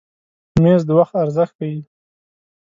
مېز د وخت ارزښت ښیي.